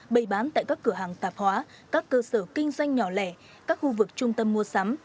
bày bán tại các cửa hàng tạp hóa các cơ sở kinh doanh nhỏ lẻ các khu vực trung tâm mua sắm